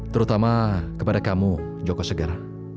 terutama kepada kamu joko segar